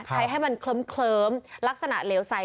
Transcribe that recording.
ใช้ให้มันเคิิมลักษณะเลียวไซซ์